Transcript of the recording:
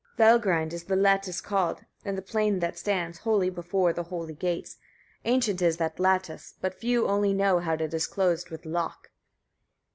22. Valgrind is the lattice called, in the plain that stands, holy before the holy gates: ancient is that lattice, but few only know how it is closed with lock.